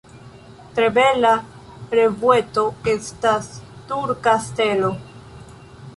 Tre bela revueto estas Turka Stelo.